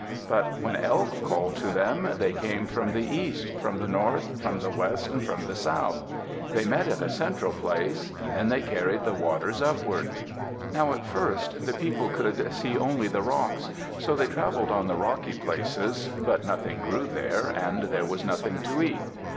But when Elk called to them, they came from the east, from the north, from the west, and from the south. They met at a central place; then they carried the waters upwards. Now at first the people could see only the rocks. So they traveled on the rocky places. But nothing grew there and there was nothing to eat.